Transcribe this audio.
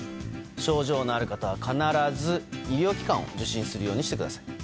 症状のある方は必ず医療機関を受診するようにしてください。